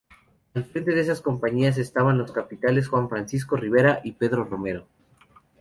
Al frente de esas compañías estaban los capitanes Juan Francisco Rivera y Pedro Romero.